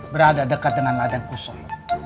berada dekat dengan ladang kusuh